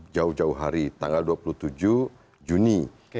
jauh jauh hari tanggal dua puluh tujuh juni dua ribu delapan belas